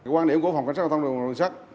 quan điểm của phòng cảnh sát công an tp